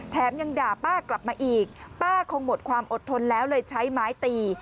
ยังด่าป้ากลับมาอีกป้าคงหมดความอดทนแล้วเลยใช้ไม้ตี